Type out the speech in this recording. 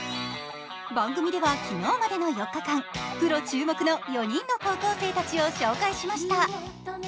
番組では昨日までの４日間プロ注目の４人の高校生たちを紹介してきました。